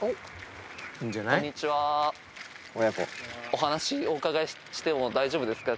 お話お伺いしても大丈夫ですか？